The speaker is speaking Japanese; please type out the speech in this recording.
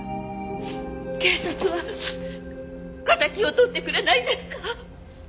警察は敵をとってくれないんですか？